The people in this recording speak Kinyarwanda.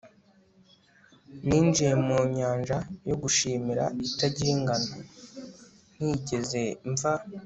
ninjiye mu nyanja yo gushimira itagira ingano ntigeze mva